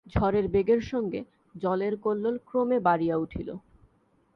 ঝড়ের বেগের সঙ্গে জলের কল্লোল ক্রমে বাড়িয়া উঠিল।